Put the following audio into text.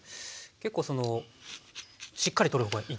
結構そのしっかり取る方がいいですか？